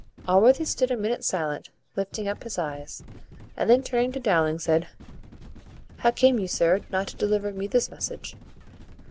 Allworthy stood a minute silent, lifting up his eyes; and then, turning to Dowling, said, "How came you, sir, not to deliver me this message?"